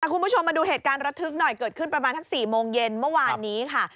คุณผู้ชมมาดูเหตุการณ์ระทึกหน่อยเกิดขึ้นประมาณทั้ง๔โมงเย็นเมื่อวานนี้ค่ะ